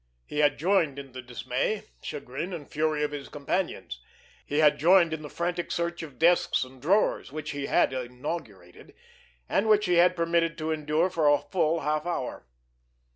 He had joined in the dismay, chagrin and fury of his companions; he had joined in the frantic search of desks and drawers, which he had inaugurated, and which he had permitted to endure for a full half hour.